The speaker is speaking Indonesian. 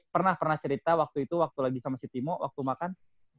pernah pernah cerita waktu itu waktu lagi sama si timo waktu makan